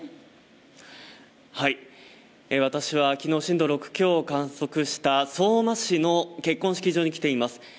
私は昨日、震度６強を観測した相馬市の結婚式場に来ています。